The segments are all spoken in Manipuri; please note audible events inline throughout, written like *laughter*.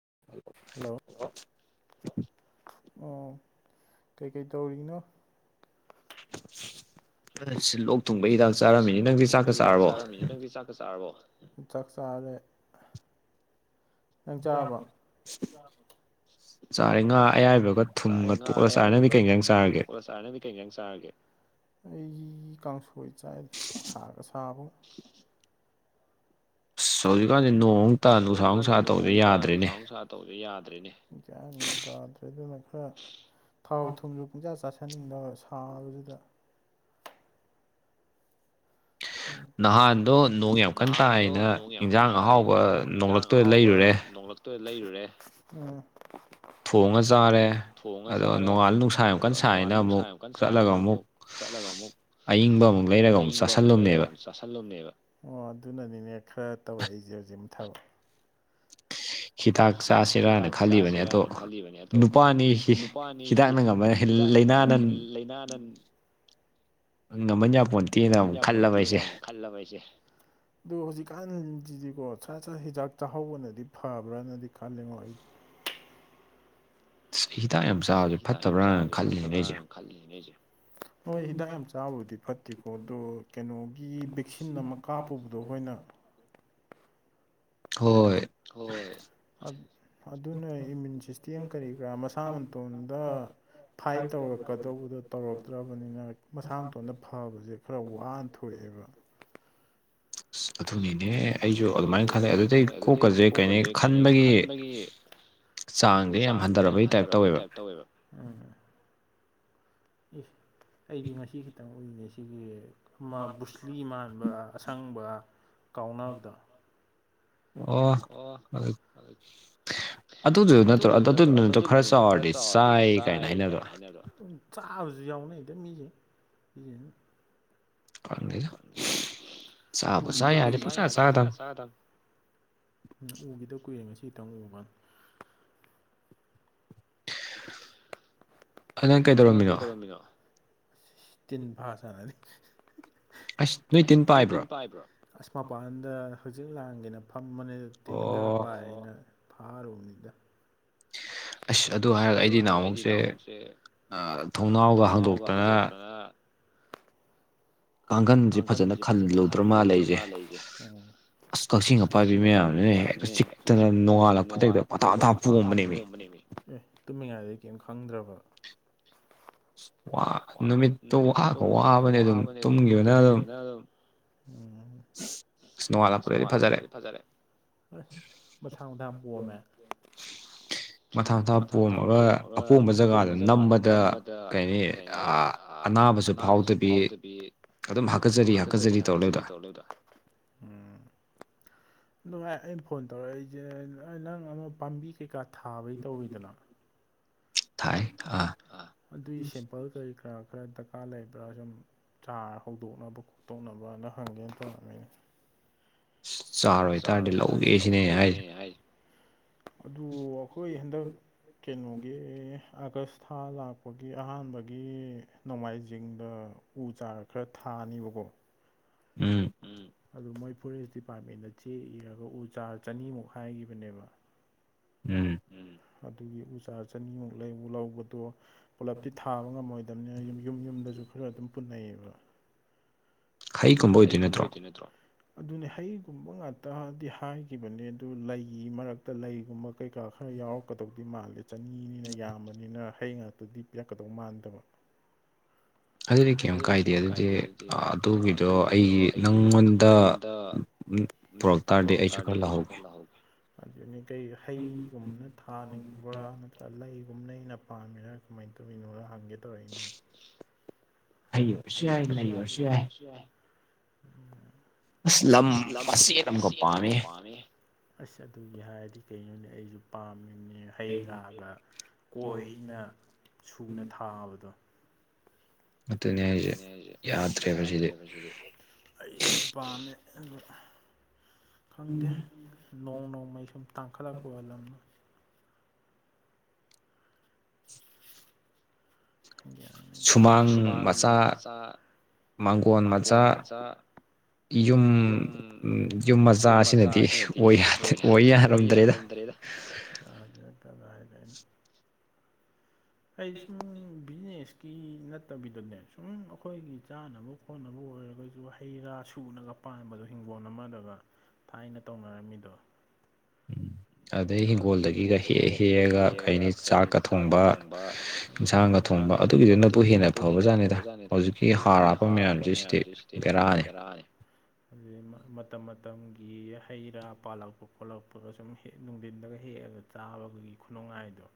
*unintelligible* ꯑꯣ ꯀꯩꯀꯩ ꯇꯧꯔꯤꯅꯣ ꯑꯁ ꯂꯣꯛ ꯑꯩ ꯁꯤ ꯂꯣꯛ ꯊꯨꯡꯕꯒꯤ ꯍꯤꯗꯥꯛ ꯆꯥꯔꯝꯃꯤꯅꯤ ꯅꯪꯗꯤ ꯆꯥꯛꯀ ꯆꯥꯔꯕꯣ ꯆꯥꯛ ꯆꯥꯔꯦ ꯆꯥꯔꯦ ꯉꯥ ꯑꯌꯥꯏꯕꯒ ꯊꯨꯝꯒ ꯇꯣꯛꯂꯒ ꯆꯥꯔ ꯅꯪꯗꯤ ꯀꯩꯖꯥꯡ ꯆꯥꯔꯒꯦ ꯑꯩꯒꯤ ꯀꯥꯡꯁꯣꯏ ꯆꯥꯏꯗ ꯁꯥꯒ ꯁꯥꯕꯒꯥ ꯍꯧꯖꯤꯛꯀꯥꯟꯁꯤ ꯅꯣꯡ ꯍꯧꯖꯤꯛꯀꯥꯟꯖꯦ ꯅꯣꯡ ꯑꯃꯨꯛꯇꯥ ꯅꯪꯁꯥ ꯑꯃꯨꯛ ꯁꯥ ꯇꯧꯗ ꯌꯥꯗꯔꯦꯅꯦ ꯒꯌꯥꯟ ꯃꯦꯟ ꯇꯗꯔꯦꯗ *unintelligible* ꯊꯥꯎ ꯊꯨꯝꯁꯨ ꯄꯨꯡꯖꯥ ꯆꯥꯁꯤꯜꯂꯦ ꯆꯠꯅꯤꯡꯕ ꯁꯥꯕꯁꯤꯗ ꯅꯍꯥꯟꯗꯣ ꯅꯣꯡ ꯌꯥꯝ ꯀꯟ ꯇꯥꯏꯅ ꯏꯟꯖꯥꯡ ꯑꯍꯥꯎꯕ ꯅꯣꯡꯂꯛ꯫ ꯇꯣ ꯂꯩꯔꯨꯔꯦ꯫ ꯊꯣꯡꯉꯥ ꯆꯥꯔꯦ ꯑꯗꯣ ꯅꯣꯡꯉꯥꯜ ꯅꯨꯡꯁꯥ ꯌꯥꯝ ꯀꯟ ꯁꯥꯏꯅ ꯑꯃꯨꯛ ꯆꯠꯂꯒ ꯑꯃꯨꯛ꯫ ꯑꯏꯪꯕ ꯑꯃꯨꯛ ꯂꯩꯔꯒ ꯑꯃꯨꯛ ꯆꯥꯥꯁꯜꯂꯨꯕꯅꯦꯕ ꯆꯥꯁꯜꯂꯨꯅꯦꯕ ꯑꯣ ꯑꯗꯨꯅꯅꯤꯅꯦ ꯈꯔ ꯇꯧꯔꯛꯏꯁꯦ ꯍꯧꯖꯤꯛ ꯑꯃꯨꯛ ꯊꯥꯕꯛ꯫ ꯍꯤꯗꯥꯛ ꯆꯥꯁꯤꯔꯥꯅ ꯈꯜꯂꯤꯕꯅꯤ ꯑꯗꯣ ꯅꯨꯄꯥꯅꯤ꯫ ꯍꯤꯗꯥꯛꯅ ꯉꯝꯃ ꯂꯥꯏꯅꯥꯅ꯫ ꯉꯝꯃꯟꯌꯥ *unintelligible* ꯉꯃꯟ ꯌꯥꯄꯣꯟꯇꯦꯅ ꯑꯃꯨꯛ ꯈꯜꯂꯕ ꯑꯩꯁꯦ ꯑꯗꯣ ꯍꯧꯖꯤꯛꯀꯥꯟꯖꯤꯗꯤꯀꯣ ꯁꯥꯠ ꯁꯥꯠ ꯍꯤꯗꯥꯛ ꯆꯥꯍꯧꯕꯅꯗꯤ ꯐꯕ꯭ꯔꯅꯗꯤ ꯈꯜꯂꯤꯉꯣ ꯑꯩ꯫ ꯁꯤ ꯍꯤꯗꯥꯛ ꯌꯥꯝ ꯆꯥꯕꯁꯦ ꯐꯠꯇꯕ꯭ꯔꯅ ꯈꯜꯂꯤꯅꯤꯅꯦ ꯑꯩꯁꯦ ꯍꯣꯏ ꯍꯤꯗꯥꯛ ꯌꯥꯝ ꯆꯥꯕꯕꯨꯗꯤ ꯐꯠꯇꯦꯀꯣ ꯑꯗꯣ ꯀꯩꯅꯣꯒꯤ ꯚꯦꯛꯁꯤꯟ ꯑꯃ ꯀꯥꯞꯄꯨꯕꯨꯗꯣ ꯑꯩꯈꯣꯏꯅ ꯍꯣꯏ ꯍꯣꯏ꯫ ꯑꯗꯨꯅ ꯏꯃ꯭ꯌꯨꯟ ꯁꯤꯁꯇꯦꯝ ꯀꯔꯤ ꯀꯔꯥ ꯃꯁꯥ ꯃꯇꯣꯟꯗ ꯐꯥꯏꯠ ꯇꯧꯔꯛꯀꯗꯧꯕꯗꯣ ꯇꯧꯔꯛꯇ꯭ꯔꯕꯅꯤꯅ ꯃꯁꯥ ꯃꯇꯊꯣꯟꯅ ꯐꯕꯁꯦ ꯈꯔ ꯋꯥꯅ꯫ ꯊꯣꯛꯑꯦꯕ ꯑꯁ ꯑꯗꯨꯅꯤꯅꯦꯍ ꯑꯩꯁꯨ ꯑꯗꯨꯃꯥꯏꯅ ꯈꯜꯂꯦ ꯑꯗꯨꯗꯤ ꯀꯣꯛꯀꯁꯦ ꯀꯩꯅꯤ ꯈꯟꯕꯒꯤ꯫ ꯆꯥꯡꯁꯦ ꯌꯥꯝ ꯍꯟꯊꯔꯕꯒꯤ ꯇꯥꯏꯞ ꯇꯧꯋꯦꯕ ꯎꯝ꯫ ꯑꯦ ꯑꯩꯗꯤ ꯉꯁꯤ ꯈꯤꯇꯪ ꯎꯏꯅꯦ ꯁꯤꯒꯤ ꯃ ꯕꯨꯁꯂꯤ ꯃꯥꯟꯕ ꯑꯁꯪꯕ ꯀꯥꯎꯅꯕꯗꯣ ꯑꯣ ꯑꯗꯨꯗꯨꯗꯨ ꯅꯠꯇ꯭ꯔꯣ ꯑꯗꯨꯗꯨ ꯅꯠꯇꯣ ꯈꯔ ꯆꯥꯎꯔꯗꯤ ꯆꯥꯏ ꯀꯥꯏꯅ ꯍꯥꯏꯅꯕꯗꯣ ꯆꯥꯕꯖꯨ ꯌꯥꯎꯅꯩꯗ ꯃꯤꯖꯦ ꯃꯤꯖ *unintelligible* ꯎꯒꯤꯗ ꯀꯨꯏꯔꯦ ꯉꯁꯤ ꯈꯤꯇꯪ ꯎꯕ ꯅꯪ ꯀꯩꯗꯧꯔꯝꯃꯤꯅꯣ ꯇꯤꯟ ꯐꯥ ꯁꯥꯅꯅꯤ *unintelligible* ꯑꯁ ꯅꯣꯏ ꯇꯤꯟ ꯄꯥꯏꯕ꯭ꯔꯣ ꯑꯁ ꯃꯄꯥꯟꯗ ꯍꯪꯖꯤꯠ ꯂꯥꯡꯒꯦꯅ ꯐꯝꯕꯅꯦ ꯇꯤꯟ ꯈꯔ ꯄꯥꯏꯅ ꯐꯥꯔꯨꯕꯅꯤꯗ ꯑꯁ ꯑꯗꯨ ꯍꯥꯏꯔꯒ ꯑꯩꯗꯤ ꯅꯍꯥꯃꯨꯛꯁꯦ ꯊꯣꯡꯅꯥꯎꯒ ꯍꯥꯡꯗꯣꯛꯇꯅ ꯑ ꯄꯥꯡꯒꯟꯁꯦ ꯐꯖꯅ ꯈꯜꯂꯨꯗ꯭ꯔ ꯃꯥꯂꯦ ꯑꯩꯖꯦ ꯑꯁ ꯀꯛꯆꯤꯡ ꯑꯄꯥꯏꯕꯤ ꯃꯌꯥꯝꯗꯨꯅꯦ ꯍꯦꯛ ꯆꯤꯛꯇꯅ ꯅꯣꯡꯉꯥꯂꯛꯄꯗꯩꯗ ꯑꯊꯥ ꯑꯊꯥ ꯄꯣꯑꯝꯕꯅꯦꯃꯤ ꯑꯦ ꯇꯨꯝꯃꯤꯉꯥꯏꯗꯩ ꯀꯔꯤꯝ ꯈꯪꯗ꯭ꯔꯕ꯭ꯔ ꯅꯨꯃꯤꯠꯇꯣ ꯋꯥꯒ ꯋꯥꯕꯅꯦ ꯑꯗꯨꯝ ꯇꯨꯝꯈꯤꯕꯅ ꯑꯗꯨꯝ ꯅꯣꯡꯉꯥꯜꯂꯛꯄꯗꯗꯤ ꯐꯖꯔꯦ ꯑꯁ ꯃꯊꯥ ꯃꯊꯥ ꯄꯣꯝꯃꯦ *unintelligible* ꯃꯊꯥ ꯃꯊꯥ ꯄꯣꯝꯃꯒ ꯑꯄꯣꯝꯕ ꯖꯒꯥꯗ ꯅꯝꯕꯗ ꯀꯩꯅꯤ ꯑ ꯑꯅꯥꯕꯁꯨ ꯐꯥꯎꯗꯕꯤ ꯑꯗꯨꯝ ꯍꯥꯀꯠꯆꯔꯤ ꯍꯥꯀꯠꯆꯔꯤ ꯇꯧꯔ ꯂꯩꯕꯗꯣ ꯎꯝ ꯑꯗꯨꯒ ꯑꯩꯅ ꯐꯣꯟ ꯇꯧꯔꯛꯏꯁꯦ ꯅꯪ ꯑꯃꯛ ꯄꯥꯝꯕꯤ ꯀꯩꯀꯥ ꯊꯥꯕ꯫ ꯇꯧꯋꯤꯗꯅ ꯊꯥꯏ ꯑ ꯑꯗꯨꯒꯤ ꯁꯦꯝꯄꯜ ꯀꯔꯤ ꯀꯔꯥ ꯈꯔ ꯗꯔꯀꯥꯔ ꯂꯩꯕ꯭ꯔꯥ ꯁꯨꯝ ꯆꯥꯔ ꯍꯧꯗꯣꯛꯅꯕ ꯈꯣꯇꯣꯛꯅꯕꯅ ꯍꯪꯒꯦꯅ ꯇꯧꯔꯛꯑꯝꯃꯤꯅꯦ ꯑꯁ ꯆꯥꯔꯣꯏꯇꯥꯔꯗꯤ ꯂꯧꯗꯦ ꯁꯤꯅꯦ ꯍꯥꯏꯁꯦ ꯑꯗꯨ ꯑꯩꯈꯣꯏ ꯍꯟꯗꯛ ꯀꯩꯅꯣꯒꯤ ꯑꯥꯒꯁ ꯊꯥ ꯂꯥꯛꯄꯒꯤ ꯑꯍꯥꯟꯕꯒꯤ ꯅꯣꯡꯃꯥꯏꯖꯤꯡꯗ ꯎ ꯆꯥꯔ ꯈꯔ ꯊꯥꯅꯤꯕꯀꯣ ꯎꯝ ꯑꯗꯨ ꯃꯣꯏ ꯐꯣꯔꯦꯁ ꯗꯤꯄꯥꯔꯠꯃꯦꯟꯗ ꯆꯦ ꯏꯔꯒ ꯎ ꯆꯥꯔ ꯆꯅꯤꯃꯨꯛ ꯍꯥꯏꯈꯤꯕꯅꯦꯕ ꯎꯝ ꯑꯗꯨꯒꯤ ꯎ ꯆꯥꯔ ꯆꯅꯤꯃꯨꯛ ꯂꯩ ꯎ ꯂꯧꯕꯗꯣ ꯄꯨꯜꯂꯞꯇꯤ ꯊꯥꯕ ꯉꯝꯃꯣꯏꯗꯅꯤꯅ ꯌꯨꯝ ꯌꯨꯝ ꯌꯨꯝꯗꯁꯨ ꯈꯔ ꯑꯗꯨꯝ ꯄꯨꯟꯅꯩꯑꯌꯦꯕ ꯍꯩ ꯀꯨꯝꯕ ꯑꯣꯏꯗꯣꯏ ꯅꯠꯇ꯭ꯔꯣ ꯑꯗꯨꯅꯦ ꯍꯩꯒꯨꯝꯕ ꯉꯥꯛꯇꯗꯤ ꯍꯥꯏꯈꯤꯕꯅꯤ ꯑꯗꯨ ꯂꯩꯒꯤ ꯃꯔꯛꯇ ꯂꯩꯒꯨꯝꯕ ꯀꯩꯀꯥ ꯈꯔ ꯌꯥꯎꯔꯛ ꯛꯀꯗꯧꯗꯤ ꯃꯥꯜꯂꯦ ꯆꯅꯤꯅꯤꯅ ꯌꯥꯝꯕꯅꯤꯅ ꯍꯌꯦ ꯉꯥꯛꯇꯗꯤ ꯄꯤꯔꯛꯀꯗꯧ ꯃꯥꯟꯗꯕ ꯑꯗꯨꯗꯤ ꯀꯩꯝ ꯀꯥꯏꯗꯦ ꯑꯗꯨꯗꯤ ꯑꯗꯨꯒꯤꯗꯣ ꯑꯩꯒꯤ ꯅꯪꯉꯣꯟꯗ ꯄꯨꯔꯛ ꯇꯥꯔꯗꯤ ꯑꯩꯁꯨ ꯈꯔ ꯂꯧꯍꯧꯒꯦ ꯑꯗꯨꯅꯤ ꯀꯩ ꯍꯩꯒꯨꯝꯅ ꯊꯥꯅꯤꯡꯕ꯭ꯔꯥ ꯈ ꯂꯩꯒꯨꯝꯕ ꯂꯩ ꯑꯩꯅ ꯄꯥꯝꯃꯤꯔ ꯀꯃꯥꯏꯅ ꯇꯧꯔꯤꯅꯣꯅ ꯍꯪꯒꯦ ꯇꯧꯔꯛꯏꯅꯤꯅ ꯍꯩ ꯑꯣꯢꯁꯨ ꯌꯥꯢ ꯂꯩ ꯑꯣꯢꯁꯨ ꯌꯥꯢ ꯑꯁ ꯂꯝꯁꯤ ꯑꯗꯨꯝꯒꯞꯄꯅꯦ ꯑꯁ ꯑꯗꯨꯒꯤ ꯍꯥꯏꯔꯗꯤ ꯀꯩꯅꯣꯅꯦ ꯑꯩꯁꯨ ꯄꯥꯝꯃꯤꯅꯦ ꯍꯩ ꯔꯥꯒ ꯀꯣꯏꯅ ꯁꯨꯅ ꯊꯥꯕꯗꯣ ꯑꯗꯨꯅꯦ ꯑꯩꯁꯦ ꯌꯥꯗ꯭ꯔꯦ ꯃꯁꯤꯗꯤ ꯑꯩꯅ ꯄꯥꯝꯃꯦ ꯑꯗꯨ ꯈꯪꯗꯦ ꯅꯣꯡ ꯅꯣꯡꯃꯩ ꯁꯨꯝ ꯇꯥꯡꯈꯠꯂꯛꯄ ꯑꯣꯏ ꯂꯝꯅꯤ ꯁꯨꯃꯥꯡ ꯃꯆꯥ ꯃꯥꯡꯒꯣꯟ ꯃꯆꯥ ꯌꯨꯝ ꯌꯨꯝ ꯃꯆꯥ ꯑꯁꯤꯅꯗꯤ ꯑꯣꯏ ꯍꯥꯏꯔ *unintelligible* *inaudible* ꯑꯩ ꯁꯨꯝ ꯕꯤꯖꯤꯅꯦꯁ ꯀꯤ ꯅꯠꯇꯕꯤꯗꯅꯦ ꯁꯨꯝ ꯑꯩꯈꯣꯏꯒꯤ ꯆꯥꯅꯕ ꯈꯣꯠꯅꯕ ꯑꯣꯏꯔꯒꯁꯨ ꯍꯩ ꯔꯥ ꯁꯨꯅꯒ ꯑꯄꯥꯝꯕꯗꯣ ꯍꯤꯡꯒꯣꯜ ꯑꯃꯗꯨꯒ ꯊꯥꯏꯅ ꯇꯧꯅꯔꯝꯃꯤꯗꯣ ꯑꯗꯩ ꯍꯤꯡꯒꯣꯜꯗꯒꯤꯒ ꯍꯦꯛꯑ ꯍꯦꯛꯑꯒ ꯀꯩꯅꯤ ꯆꯥꯛꯀ ꯊꯣꯡꯕ ꯌꯦꯟꯁꯥꯡꯒ ꯊꯣꯡꯕ ꯑꯗꯨꯒꯤꯗꯨꯅꯕꯨ ꯍꯦꯟꯅ ꯐꯕꯖꯥꯠꯅꯤꯗ ꯍꯧꯖꯤꯛꯀꯤ ꯍꯥꯔ ꯍꯥꯞꯄ ꯃꯌꯥꯝꯁꯤ ꯗꯤ ꯕꯦꯔꯥꯅꯤ ꯑꯗꯨꯗꯗꯒꯤ ꯃꯇꯝ ꯃꯇꯝꯒꯤ ꯍꯩ ꯔꯥ ꯄꯥꯜꯂꯛꯄ ꯈꯣꯠꯂꯛꯄꯒ ꯁꯨꯝ ꯅꯨꯡꯊꯤꯟꯗꯒ ꯍꯦꯛꯑꯒ ꯆꯥꯕꯒꯤ ꯈꯨꯅꯨꯡꯉꯥꯏꯗꯣ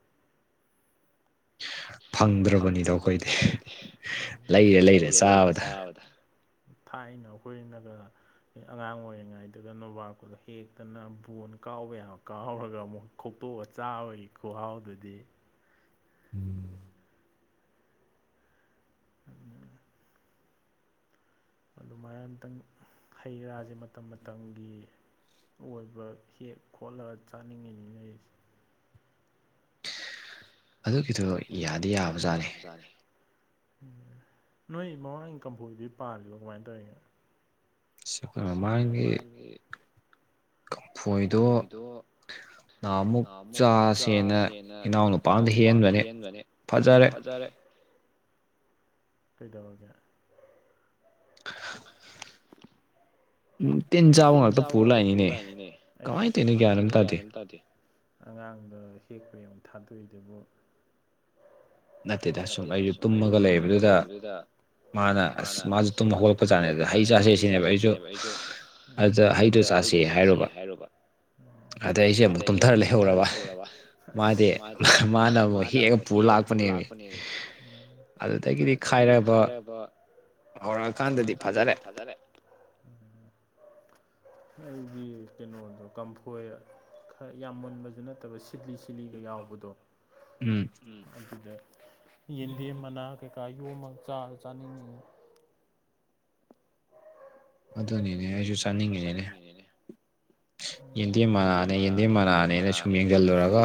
*unintelligible* *inaudible* ꯐꯪꯗ꯭ꯔꯕꯅꯤꯗꯣ ꯑꯩꯈꯣꯏꯗꯤ ꯂꯩꯔꯦ ꯂꯩꯔꯦ ꯆꯥꯕꯗ ꯊꯥꯏ ꯑꯩꯅ ꯑꯩꯈꯣꯏꯅ ꯑꯉꯥꯡ ꯑꯣꯏꯔꯤꯉꯩꯗꯨꯗ ꯅꯣꯕꯥꯥꯛꯄꯨꯗ ꯍꯦꯛꯇꯅ ꯕꯣꯟ ꯀꯥꯎꯕ ꯌꯥꯕ ꯀꯥꯎꯔꯒ ꯑꯃꯨꯛ ꯈꯣꯛꯇꯣꯛꯑ ꯆꯥꯕꯒꯤ ꯈꯨꯍꯥꯎꯗꯨꯗꯤ ꯎꯝ *unintelligible* *inaudible* ꯎꯝ *unintelligible* *inaudible* ꯑꯗꯨꯃꯥꯏꯅ ꯑꯝꯇꯪ ꯍꯩ ꯔꯥꯁꯦ ꯃꯇꯝ ꯃꯇꯝꯒꯤ ꯑꯣꯏꯕ ꯍꯦꯛ ꯈꯣꯠꯂꯒ ꯆꯥꯅꯤꯡꯉꯤꯅꯤꯅ ꯑꯩꯁꯦ ꯑꯗꯨꯒꯤꯗꯨ ꯌꯥꯗꯤ ꯌꯥꯕꯖꯥꯠꯅꯤ ꯎꯝ ꯅꯣꯏ ꯃꯃꯥꯡꯒꯤ ꯀꯝꯐꯣꯏꯗꯤ ꯄꯥꯜꯂꯤꯕꯣ ꯀꯃꯥꯏꯅ ꯇꯧꯔꯤꯅꯣ ꯁꯤ ꯑꯩꯈꯣꯏ ꯃꯃꯥꯡꯒꯤ ꯀꯐꯣꯏꯗꯣ ꯅꯍꯥꯃꯨꯛ ꯆꯥꯁꯦꯅ ꯏꯅꯥꯎ ꯅꯨꯨꯄꯥꯗ ꯍꯦꯟꯕꯅꯦ ꯐꯖꯔꯦ ꯀꯩꯗꯧꯔꯒꯦ *unintelligible* ꯇꯤꯟ ꯆꯥꯕ ꯉꯥꯛꯇ ꯄꯨꯔ ꯂꯥꯛꯏꯅꯤꯅꯦꯁ ꯀꯃꯥꯏꯅ ꯇꯧꯔꯤꯅꯣ ꯒ꯭ꯌꯥꯟ ꯑꯃ ꯇꯥꯗꯦ ꯑꯉꯥꯡꯗꯣ ꯍꯦꯛꯄ ꯌ ꯊꯥꯗꯣꯛꯏꯗꯨꯕꯨ ꯅꯠꯇꯦꯗ ꯁꯨꯝ ꯑꯩꯁꯨ ꯇꯨꯝꯃꯒ ꯂꯩꯕꯗꯨꯗ ꯃꯥꯅ ꯑꯁ ꯃꯥꯁꯨ ꯇꯨꯝ ꯍꯧꯒꯂꯛꯄ ꯆꯥꯠꯅꯦ ꯑꯗ ꯍꯩ ꯆꯥꯥꯁꯦ ꯁꯤꯅꯦꯕ ꯑꯩꯁꯨ ꯑꯗꯨꯗ ꯍꯩꯗꯣ ꯆꯥꯥꯁꯦ ꯍꯥꯏꯔꯨꯕ ꯑꯗ ꯑꯩꯁꯦ ꯑꯃꯨꯛ ꯇꯨꯝꯊꯔ ꯂꯩꯍꯧꯔꯕ ꯃꯥꯗꯤ ꯃꯥꯅ ꯑꯃꯨꯣꯏ ꯍꯦꯛꯑꯒ ꯄꯨꯔ ꯂꯥꯛꯄꯅꯦꯃꯤ ꯑꯗꯨꯗꯒꯤꯗꯤ ꯈꯥꯏꯔꯕ ꯍꯧꯔꯛꯑꯀꯥꯟꯗꯗꯤ ꯐꯖꯔꯦ ꯑꯩꯒꯤ ꯀꯩꯅꯣꯗꯣ ꯀꯝꯐꯣꯏ ꯈꯔ ꯌꯥꯝꯃꯨꯟꯕꯁꯨ ꯅꯠꯇꯕ ꯁꯤꯂꯤ ꯆꯤꯂꯤꯒ ꯌꯥꯎꯕꯗꯣ ꯎꯝ ꯑꯗꯨꯗ ꯌꯦꯟꯗꯦꯝ ꯃꯅꯥ ꯀꯩꯀꯥ ꯌꯣꯃꯒ ꯆꯥꯔ ꯆꯥꯅꯤꯡꯉꯤ ꯑꯗꯨꯅꯤꯅꯦ ꯑꯩꯁꯨ ꯆꯥꯅꯤꯡꯉꯤꯅꯤꯅꯦ ꯌꯦꯟꯗꯦꯝ ꯃꯅꯥꯅꯦ ꯌꯦꯟꯗꯦꯝ ꯃꯅꯥꯅꯦꯅ ꯁꯨꯝ ꯌꯦꯡꯁꯤꯜꯂꯨꯔꯒ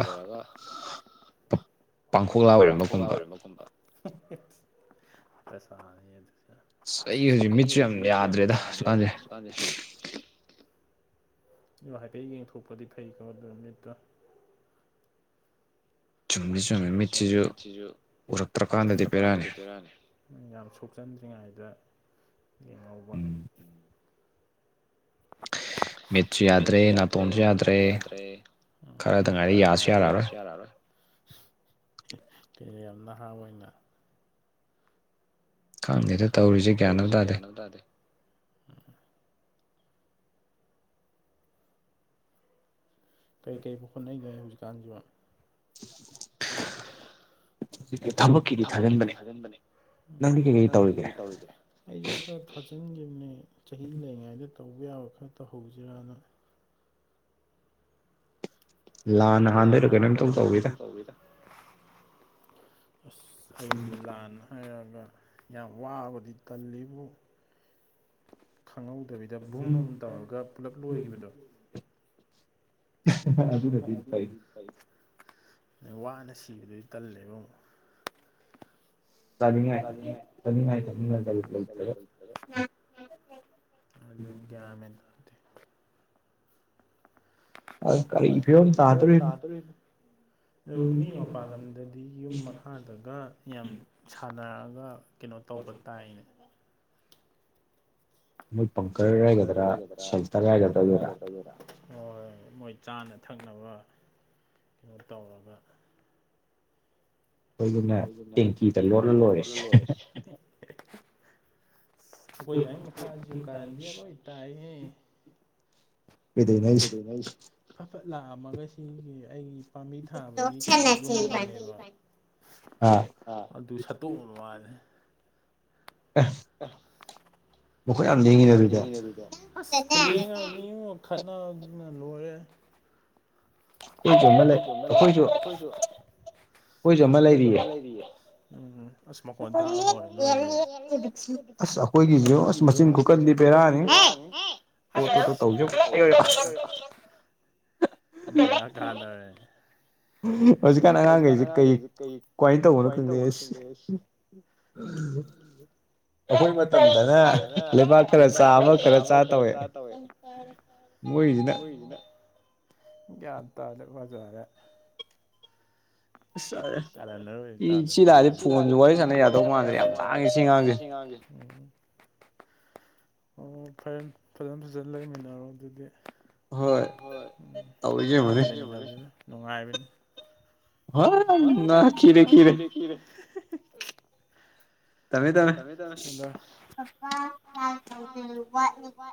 ꯄꯥꯡꯈꯣꯛꯂꯥ ꯑꯣꯏꯔꯝꯕꯒꯨꯝꯕ ꯕ *unintelligible* *inaudible* ꯑ ꯁꯅ ꯑꯗꯨ *unintelligible* *inaudible* ꯑꯁ ꯑꯩ ꯍꯧꯖꯤꯛ ꯃꯤꯠꯁꯨ ꯌꯥꯝ ꯌꯥꯗ꯭ꯔꯦꯗ ꯁꯨꯛꯀꯥꯟꯁꯦ ꯏꯣ ꯍꯥꯏꯐꯦ ꯌꯦꯡꯊꯣꯛꯄꯗꯤ ꯐꯩꯀꯣ ꯑꯗꯨꯣ ꯃꯤꯠꯇꯣ ꯆꯨꯝꯃꯤ ꯆꯨꯝꯃꯦ ꯃꯤꯠꯁꯤꯁꯨ ꯎꯔꯛꯇ꯭ꯔꯀꯥꯟꯗꯗꯤ ꯄꯤꯔꯛꯑꯅꯤ ꯌꯥꯝ ꯁꯣꯛꯆꯟꯗ꯭ꯔꯤꯉꯩꯗ ꯌꯦꯡꯉꯧꯕ ꯃꯤꯦꯠꯁꯨ ꯌꯥꯗ꯭ꯔꯦ ꯅꯥꯇꯣꯟꯁꯨ ꯌꯥꯗ꯭ꯔꯦ ꯎꯝ ꯈꯔ ꯑꯗꯨꯉꯥꯏꯗꯤ ꯌꯥꯁꯨ ꯌꯥꯔꯔꯣꯏ ꯀꯩꯅ ꯌꯥꯝ ꯅꯍꯥ ꯑꯣꯏꯅ ꯀꯥꯡꯗꯦꯗ ꯇꯧꯔꯤꯁꯦ ꯒꯌꯥꯟꯅꯕ ꯇꯥꯗꯦ ꯑꯗꯨꯗꯥꯗꯦ ꯀꯩ ꯀ ꯍꯣꯠꯅꯩꯒꯦ ꯍꯧꯖꯤꯛꯀꯥꯟꯁꯤ *unintelligible* *inaudible* ꯊꯕꯛꯀꯤꯗꯤ ꯊꯥꯖꯤꯟꯕꯅꯦ ꯎ ꯅꯪꯗꯤ ꯀꯩꯀꯩ ꯇꯧꯔꯤꯒꯦ ꯑꯩꯁꯨ ꯈꯔ ꯊꯥꯖꯤꯟꯈꯤꯕꯅꯦ ꯆꯍꯤ ꯂꯩꯔꯤꯉꯩꯗ ꯇꯧꯕ ꯌꯥꯕ ꯈꯔ ꯇꯧꯍꯧꯁꯤꯔꯅ ꯂꯥꯟꯅ ꯍꯥꯟꯗꯣꯏꯔꯣ ꯀꯩꯅꯣꯝꯇꯧ ꯇꯧꯔꯤꯗ ꯑꯁ ꯑꯩꯁ ꯂꯥꯟ ꯍꯥꯏꯔꯒ ꯌꯥꯝ ꯋꯥꯕꯗꯤ ꯇꯜꯂꯤꯕꯨ ꯈꯪꯍꯧꯗꯕꯤꯗ ꯚꯨꯝꯝ ꯇꯧꯔꯒ ꯄꯨꯂꯞ ꯂꯣꯏꯈꯤꯕꯗꯣ *unintelligible* ꯑꯗꯨꯅꯗꯤ ꯐꯩ ꯋꯥꯅ ꯁꯤꯕꯗꯨꯗꯤ ꯇꯜꯂꯦꯕ ꯑꯃꯨꯛ ꯀꯦ *unintelligible* *inaudible* ꯑꯗꯨꯅꯤ ꯒ꯭ꯌꯥꯟ ꯃꯦꯟ ꯇꯥꯗꯦ *unintelligible* ꯀꯔꯤ ꯐꯤꯚꯝ ꯇꯥꯗꯧꯔꯤꯅꯣ ꯑꯗꯨ ꯃꯤ ꯃꯄꯥꯟ ꯂꯝꯗꯗꯤ ꯌꯨꯝ ꯃꯈꯥꯗꯒ ꯌꯥꯝ ꯁꯥꯟꯅꯔꯛꯑꯒ ꯀꯩꯅꯣ ꯇꯧꯕ ꯇꯥꯏꯅꯦ ꯃꯣꯏ ꯄꯪꯀꯔ ꯍꯥꯏꯒꯗ꯭ꯔꯥ ꯁꯦꯜꯇꯔ ꯍꯥꯏꯒꯗ꯭ꯔꯥ *unintelligible* ꯍꯣꯏ ꯃꯣꯏ ꯆꯥꯅ ꯊꯛꯅꯕ ꯗꯣ ꯇꯧꯔꯒ ꯑꯩꯈꯣꯏꯖꯨꯅꯦ ꯇꯦꯡꯀꯤꯗ ꯂꯣꯠꯂ ꯂꯣꯏꯔꯦꯁꯦ *inaudible* ꯑꯩꯈꯣꯏ ꯗꯥꯏ ꯃꯄꯥꯖꯤꯖꯨ ꯀꯥꯔꯟꯗꯤ ꯑꯔꯣꯏꯕꯤ ꯇꯥꯏꯍꯦ *unintelligible* ꯐꯐꯠ ꯂꯥꯛꯑꯝꯃꯒ ꯁꯤꯒꯤ ꯑꯩꯒꯤ ꯄꯥꯝꯕꯤ ꯊꯥꯕꯒꯤ ꯀꯩꯅꯣ ꯌꯨꯝꯕꯅꯦꯕ ꯑ ꯑꯗꯨ ꯁꯠꯇꯣꯛꯑꯅ ꯃꯥꯅꯦ ꯑꯥ ꯃꯈꯨꯠ ꯌꯥꯝ ꯌꯦꯡꯉꯦꯅꯦ ꯑꯗꯨꯗꯤ ꯑꯁ ꯈꯨꯂꯦꯡ ꯑꯃꯅꯤꯉꯣ ꯈꯠꯅꯗꯨꯅ ꯂꯣꯏꯔꯦ ꯀꯣꯏꯁꯨ ꯑꯥꯝ ꯂꯩ ꯈꯣꯏꯁꯨ ꯑꯩꯣꯏꯁꯨ ꯑꯃ ꯂꯩꯔꯤꯌꯦ ꯎꯝ ꯑꯁ ꯃꯈꯣꯟ ꯇꯥꯕ ꯍꯧꯔꯦ ꯂꯣꯏꯒꯤꯁ ꯑꯁ ꯑꯩꯈꯣꯏꯒꯤ ꯑꯁ ꯃꯆꯤꯟ ꯀꯨꯀꯟꯗꯤ ꯄꯦꯔꯥꯅꯤ ꯑꯁꯁ ꯇꯧ ꯕꯦ ꯀꯥꯗꯔꯦ ꯍꯧꯖꯤꯛꯀꯥꯟ ꯑꯉꯥꯡꯈꯩꯁꯦ ꯀꯩ ꯀꯃꯥꯏꯅ ꯇꯧꯕꯅꯣ ꯈꯪꯗꯦ *inaudible* ꯑꯩꯈꯣꯏ ꯃꯇꯝꯗꯅ ꯂꯩꯕꯥꯛ ꯈꯔ ꯆꯥ ꯑꯃ ꯈꯔ ꯆꯥ ꯇꯧꯋꯦ ꯃꯣꯏꯖꯤꯅ ꯒ꯭ꯌꯥꯟ ꯇꯥꯗꯦ ꯐꯖꯔꯦ ꯀꯥꯔꯟ ꯑꯔꯣꯏꯕꯤ ꯇꯥꯗꯧꯔꯤ ꯃꯥꯜꯂꯦ ꯁꯤ ꯂꯥꯛꯑꯗꯤ ꯐꯣꯟꯖꯦ ꯋꯥꯔꯤ ꯁꯥꯟꯅ ꯌꯥꯗꯧ ꯃꯥꯟꯗ꯭ꯔꯦ ꯌꯥꯝ ꯂꯥꯡꯉꯦ ꯁꯤ ꯑꯉꯥꯡꯁꯦ ꯎꯝ ꯑꯣ ꯐꯔꯦ ꯐꯖ ꯐꯖꯅ ꯂꯩꯃꯤꯟꯅꯔꯣ ꯑꯗꯨꯗꯤ ꯍꯣꯏ ꯎꯝ ꯑꯉꯥꯡꯒ ꯂꯩꯃꯤꯟꯅꯕꯖꯤꯖꯨ ꯅꯨꯡꯉꯥꯏꯕꯅꯤ *unintelligible* ꯈꯤꯔꯦ ꯈꯤꯔꯦ ꯊꯝꯃꯦ ꯊꯝꯃꯦ *unintelligible*